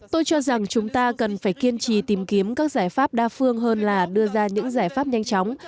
tôi cho rằng chúng ta cần phải kiên trì tìm kiếm các giải pháp đa phương hơn là đưa ra những giải pháp nhanh chóng